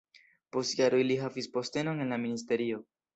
Post jaroj li havis postenon en la ministerio.